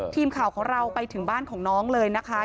ทีมข่าวของเราไปถึงบ้านของน้องเลยนะคะ